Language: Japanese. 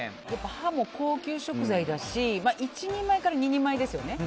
ハモ、高級食材だし１人前から２人前ですよね。